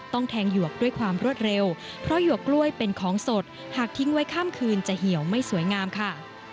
แทงหยวกด้วยความรวดเร็วเพราะหยวกกล้วยเป็นของสดหากทิ้งไว้ข้ามคืนจะเหี่ยวไม่สวยงามค่ะ